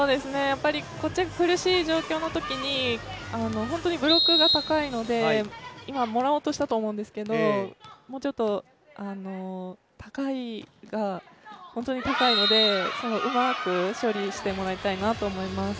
こっちが苦しい状況のときに本当にブロックが高いので今もらおうとしたと思うんですけれども、もうちょっと高い、本当に高いので、うまく処理してもらいたいなと思います。